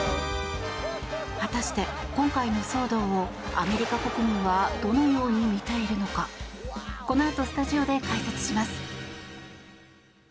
果たして今回の騒動をアメリカ国民はどのように見ているのかこのあとスタジオで解説します。